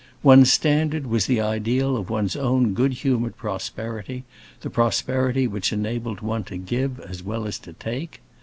One's standard was the ideal of one's own good humored prosperity, the prosperity which enabled one to give as well as take.